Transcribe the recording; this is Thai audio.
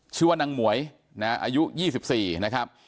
ชื่อว่านางหมวยอายุ๒๔นะครับ